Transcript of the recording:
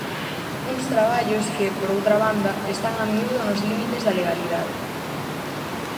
Uns traballos que, por outra banda, están a miúdo nos límites da legalidade.